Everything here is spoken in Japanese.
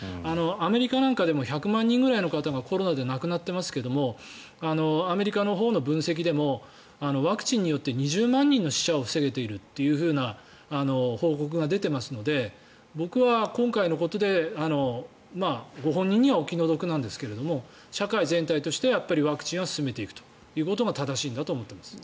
アメリカなんかでも１００万人ぐらいの方がコロナで亡くなってますがアメリカのほうの分析でもワクチンによって２０万人の死者を防げているという報告が出ていますので僕は今回のことでご本人にはお気の毒ですが社会全体としてやっぱりワクチンは進めていくということが正しいんだと思います。